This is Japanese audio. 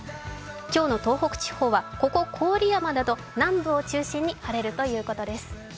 今日の東北地方はここ郡山など南部を中心に晴れるということです。